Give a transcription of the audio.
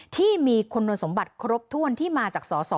ที่มีคุณสมบัติครบถ้วนที่มาจากสส